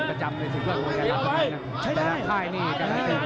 ประจำในสิทธิวันโรงแรมของไทยนะ